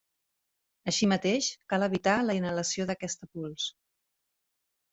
Així mateix, cal evitar la inhalació d'aquesta pols.